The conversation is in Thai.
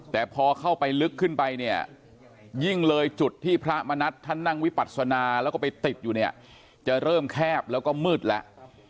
แต่พอเข้าไปลึกขึ้นไปเนี่ยยิ่งเลยจุดที่พระมณัฐท่านนั่งวิปัศนาแล้วก็ไปติดอยู่เนี่ยจะเริ่มแคบแล้วก็มืดแล้ว